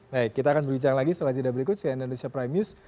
baik kita akan berbicara lagi setelah cerita berikutnya di indonesia prime news